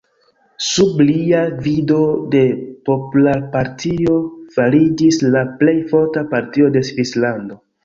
Sub lia gvido la Popolpartio fariĝis la plej forta partio de Svislando.